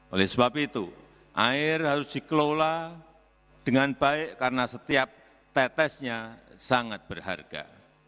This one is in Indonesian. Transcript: oleh sebab itu air harus dikelola dengan baik karena setiap tetesnya sangat berharga